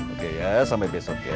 oke ya sampai besok ya